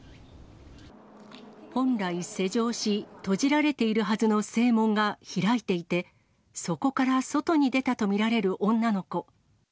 本来、施錠し、閉じられているはずの正門が開いていて、そこから外に出たと見られる女の子。